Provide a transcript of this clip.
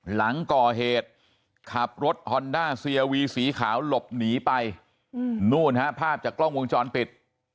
หลังก่อเหตุขับรถฮอนด้าเซียวีสีขาวหลบหนีไปนู่นฮะภาพจากกล้องวงจรปิด